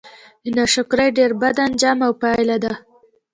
د ناشکرۍ ډير بد آنجام او پايله ده